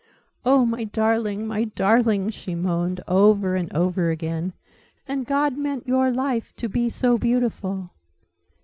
"Oh, my darling, my darling!" she moaned, over and over again. "And God meant your life to be so beautiful!"